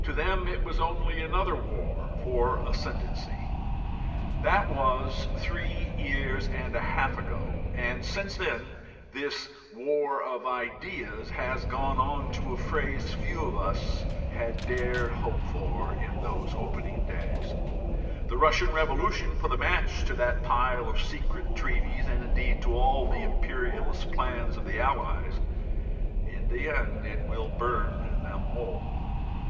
To them it was only another war for "ascendancy." That was three years and a half ago, and since then this "war of ideas" has gone on to a phase few of us had dared hope for in those opening days. The Russian revolution put a match to that pile of secret treaties and indeed to all the imperialist plans of the Allies; in the end it will burn them all.